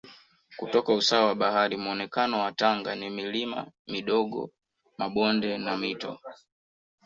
kutoka usawa wa bahari Muonekeno wa Tanga ni milima midogo mabonde na Mito